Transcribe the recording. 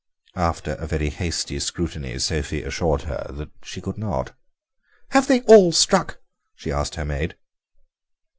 After a very hasty scrutiny Sophie assured her that she could not. "Have they all struck?" she asked her maid.